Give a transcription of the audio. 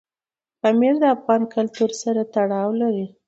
پامیر د افغان کلتور سره تړاو لري.